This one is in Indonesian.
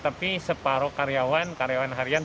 tapi separuh karyawan karyawan harian